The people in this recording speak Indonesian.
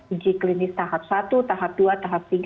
uji klinis tahap satu tahap dua tahap tiga